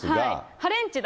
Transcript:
ハレンチだ。